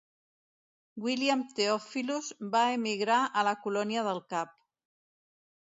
William Theophilus, va emigrar a la Colònia del Cap.